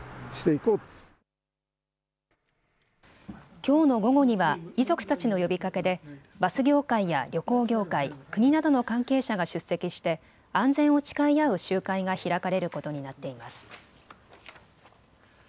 きょうの午後には遺族たちの呼びかけでバス業界や旅行業界、国などの関係者が出席して安全を誓い合う集会が開かれることになっています。